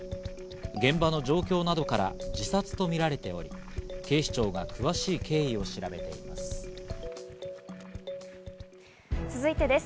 現場の状況などから自殺とみられており、警視庁が詳しい経緯を調べています。